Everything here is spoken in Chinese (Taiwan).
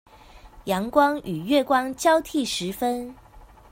陽光與月光交替時分